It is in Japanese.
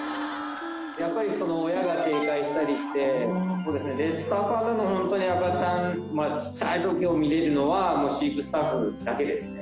やっぱりその親が警戒したりしてレッサーパンダのホントに赤ちゃん小さい時を見られるのはもう飼育スタッフだけですね